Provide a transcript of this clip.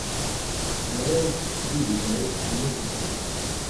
Mraw n tesdidin aya segmi ay yedda.